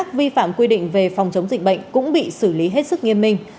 nhiều hành vi vi phạm quy định về phòng chống dịch bệnh cũng bị xử lý hết sức nghiêm minh